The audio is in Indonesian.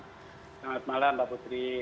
selamat malam mbak putri